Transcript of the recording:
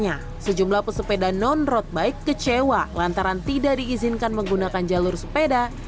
pada minggu enam juni lalu sejumlah pesepeda non road bike kecewa lantaran tidak diizinkan menggunakan jalur sepeda